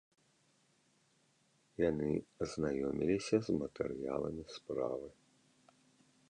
Яны азнаёміліся з матэрыяламі справы.